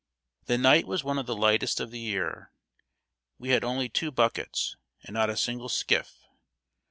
The night was one of the lightest of the year. We had only two buckets, and not a single skiff.